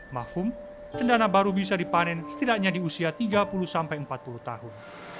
mahfum cendana baru bisa dipanen setidaknya di usia tiga puluh sampai empat puluh tahun